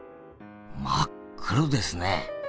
真っ黒ですね。